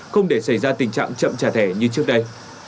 không để xảy ra tình trạng chậm trả thẻ như trước đây